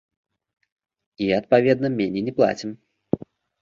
І, адпаведна, меней не плацім.